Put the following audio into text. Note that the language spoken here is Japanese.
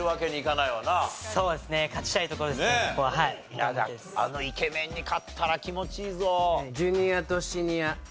稲田あのイケメンに勝ったら気持ちいいぞ。